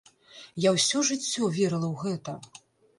Я ўсё жыццё верыла ў гэта.